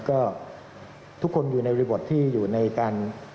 ก็ทุกคนอยู่ในบริบทที่อยู่ในการ